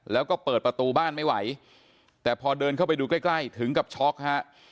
แล้วก็เปิดประตูบ้านไม่ไหวแต่พอเดินเข้าไปดูใกล้ใกล้ถึงกับช็อกฮะ